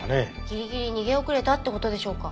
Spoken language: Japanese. ギリギリ逃げ遅れたって事でしょうか？